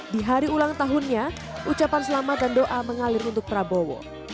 di hari ulang tahunnya ucapan selamat dan doa mengalir untuk prabowo